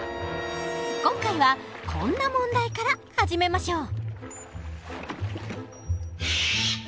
今回はこんな問題から始めましょう。